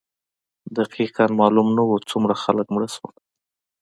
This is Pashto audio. دقیقا معلوم نه وو څومره خلک مړه شول.